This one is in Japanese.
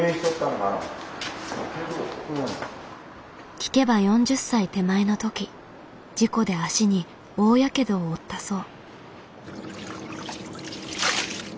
聞けば４０歳手前のとき事故で足に大ヤケドを負ったそう。